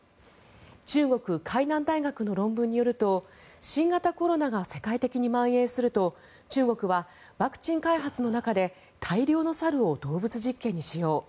中国、海南大学の論文によると新型コロナが世界的にまん延すると中国はワクチン開発の中で大量の猿を動物実験に使用。